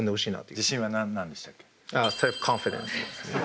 自信は何なんでしたっけ？